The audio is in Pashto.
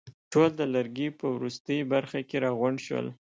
ټول د لرګي په وروستۍ برخه کې راغونډ شول.